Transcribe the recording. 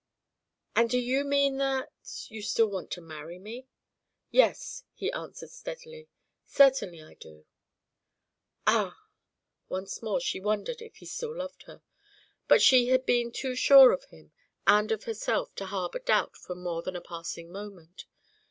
"And do you mean that you still want to marry me?" "Yes," he answered steadily. "Certainly I do." "Ah!" Once more she wondered if he still loved her. But she had been too sure of him and of herself to harbour doubt for more than a passing moment.